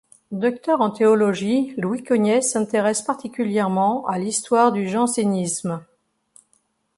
Docteur en théologie, Louis Cognet s'intéresse particulièrement à l'histoire du jansénisme.